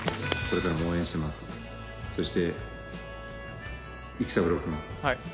そして。